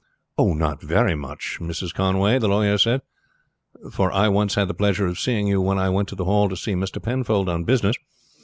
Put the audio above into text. "Not very much, Mrs. Conway," the lawyer said; "for I once had the pleasure of seeing you when I went to the Hall to see Mr. Penfold on business.